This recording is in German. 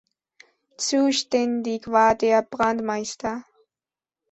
Zuständig war der Brandmeister.